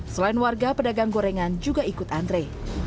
selain warga pedagang gorengan juga ikut antre